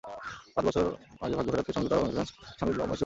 পাঁচ বছর আগে ভাগ্য ফেরাতে সংযুক্ত আরব আমিরাতে যান স্বামী মুহামঞ্চদ শফি।